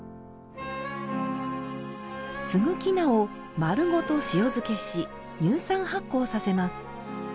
すぐき菜を、丸ごと塩漬けし乳酸発酵させます。